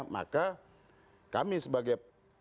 maka kami sebagai